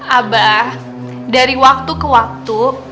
abah dari waktu ke waktu